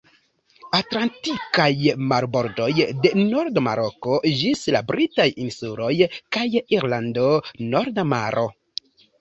Atlantikaj marbordoj, de norda Maroko ĝis la britaj insuloj kaj Irlando; Norda Maro.